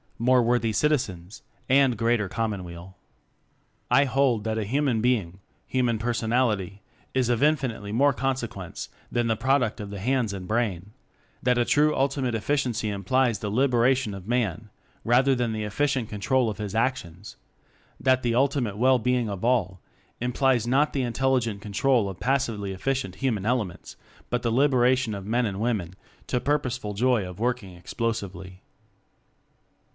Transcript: more worthy citizens, and greater commonweal. I hold that a human being human personality is of infinitely more consequence than the product of the hands and brain; that a true ulti mate efficiency implies the liberation of Man rather than the efficient con trol of his actions; that the ultimate well being of all implies not the ^ in telligent control of passively^ efficient human elements, but the liberation of men and women to purposeful joy of Working Explosively.